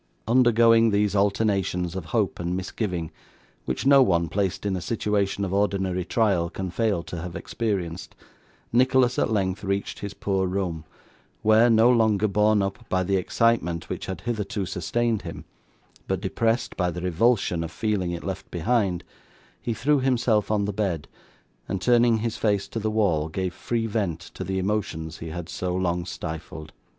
Undergoing these alternations of hope and misgiving, which no one, placed in a situation of ordinary trial, can fail to have experienced, Nicholas at length reached his poor room, where, no longer borne up by the excitement which had hitherto sustained him, but depressed by the revulsion of feeling it left behind, he threw himself on the bed, and turning his face to the wall, gave free vent to the emotions he had so long stifled.